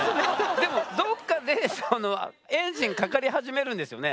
でもどっかでエンジンかかり始めるんですよね？